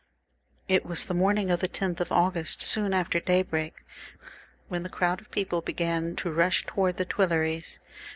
It was the morning of the 10th of August, soon after daybreak, when the crowd of people began to rush towards the Tuileries.